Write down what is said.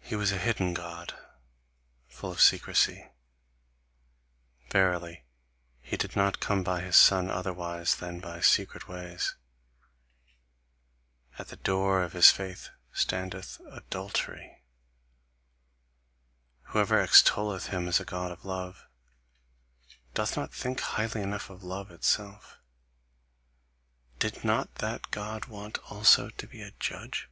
He was a hidden God, full of secrecy. Verily, he did not come by his son otherwise than by secret ways. At the door of his faith standeth adultery. Whoever extolleth him as a God of love, doth not think highly enough of love itself. Did not that God want also to be judge?